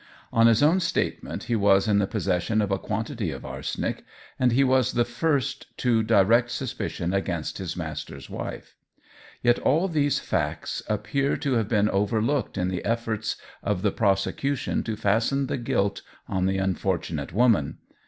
On his own statement he was in the possession of a quantity of arsenic, and he was the first to direct suspicion against his master's wife. Yet all these facts appear to have been overlooked in the efforts of the prosecution to fasten the guilt on the unfortunate woman.